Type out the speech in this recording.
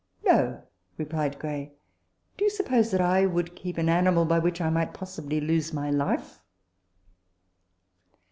" No," replied Gray ; "do you suppose that I would keep an animal by which I might possibly lose my life